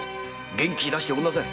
元気出しておくんなさい。